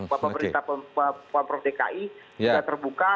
bapak ibu berita pemprov dki sudah terbuka